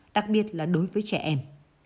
đặc biệt là đối với trẻ em